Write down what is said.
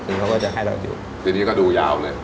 คือเขาก็จะให้เราอยู่ทีนี้ก็ดูยาวเลย